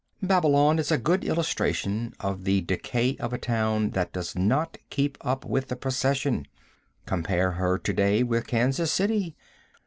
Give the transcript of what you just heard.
Babylon is a good illustration of the decay of a town that does not keep up with the procession. Compare her to day with Kansas City.